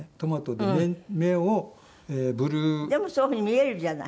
でもそういうふうに見えるじゃない。